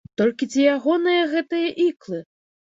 Толькі ці ягоныя гэтыя іклы?